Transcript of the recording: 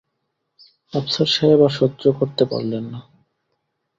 আফসার সাহেব আর সহ্য করতে পারলেন না।